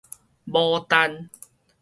牡丹